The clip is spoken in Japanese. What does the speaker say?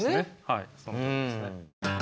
はいそのとおりですね。